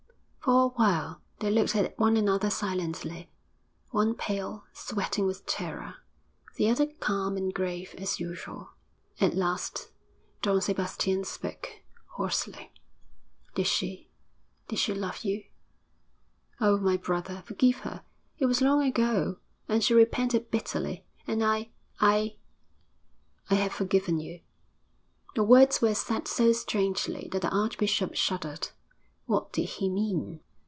For a while they looked at one another silently; one pale, sweating with terror, the other calm and grave as usual. At last Don Sebastian spoke, hoarsely. 'Did she did she love you?' 'Oh, my brother, forgive her. It was long ago and she repented bitterly. And I I!' 'I have forgiven you.' The words were said so strangely that the archbishop shuddered. What did he mean?